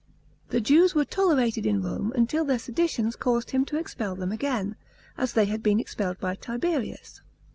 The Jews were tolerated in Rome until their seditions caused him to expel them again, as they had been expelled by Tiberius.